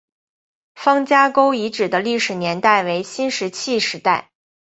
方家沟遗址的历史年代为新石器时代。